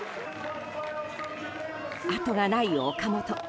後がない岡本。